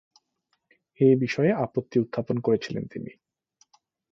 এ বিষয়ে আপত্তি উত্থাপন করেছিলেন তিনি।